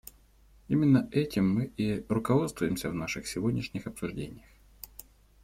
Именно этим мы и руководствуемся в наших сегодняшних обсуждениях.